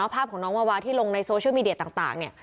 ภาพของน้องวาวาที่ลงในโซเชียลมีเดียต่างเนี่ย